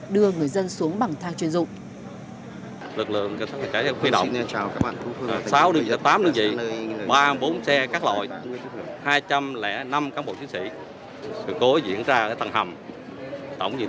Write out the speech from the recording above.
đưa người dân xuống bằng thang chuyên dụng